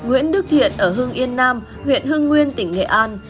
nguyễn đức thiện ở hương yên nam huyện hưng nguyên tỉnh nghệ an